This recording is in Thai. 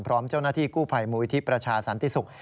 พร้อมเจ้าหน้าที่กู้ภัยมูลิธิประชาสันติศุกร์